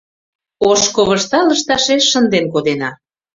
Ош ковышта лышташеш шынден кодена